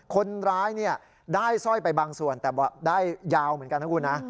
คนร้ายได้สร้อยไปบางส่วนแต่ได้ยาวเหมือนกันนะคุณนะ